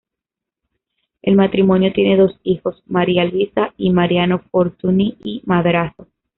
El matrimonio tiene dos hijos: María Luisa y Mariano Fortuny y Madrazo.